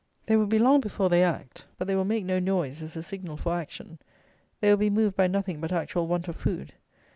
They will be long before they act; but they will make no noise as a signal for action. They will be moved by nothing but actual want of food.